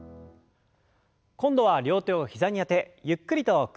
今度は両手を膝にあてゆっくりと屈伸の運動です。